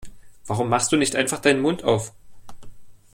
Warum machst du nicht einfach deinen Mund auf?